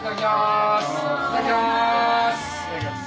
いただきます。